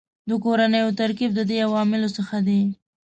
د کورنیو ترکیب د دې عواملو څخه دی